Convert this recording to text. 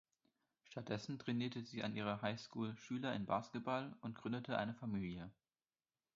Stattdessen trainierte sie an ihrer High School Schüler in Basketball und gründete eine Familie.